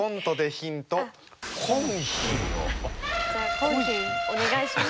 じゃあコンヒンお願いします。